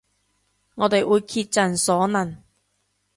我哋會竭盡所能